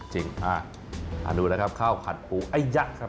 จริงดูนะครับข้าวผัดปูไอยะครับ